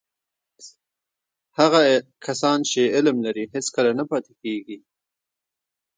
هغه کسان چې علم لري، هیڅکله نه پاتې کېږي.